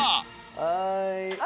はい。